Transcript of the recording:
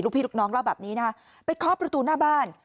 พี่ลูกน้องเล่าแบบนี้นะคะไปเคาะประตูหน้าบ้าน